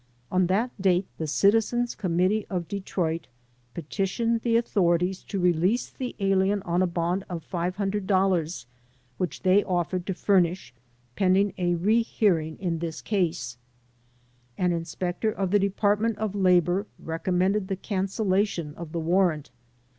On that date the citizens committee of Detroit petitioned the authorities to release the alien on a bond of $500 which they offered to furnish, pending a rehear ing in this case. An inspector of the Department of Labor recommended the cancellation of the warrant.